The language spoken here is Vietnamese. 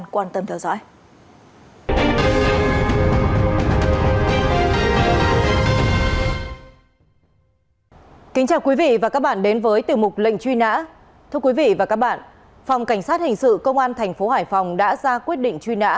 quý vị và các bạn phòng cảnh sát hình sự công an tp hải phòng đã ra quyết định truy nã